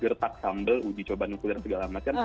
gertak sambil uji coba nuklir segala macam